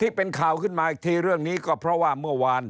ที่เป็นข่าวขึ้นมาอีกทีเรื่องนี้ก็เพราะว่าเมื่อวาน